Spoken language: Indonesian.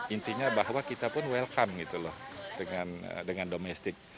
intinya bahwa kita pun welcome dengan domestik